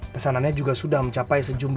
pesanannya juga sudah mencapai sejumlah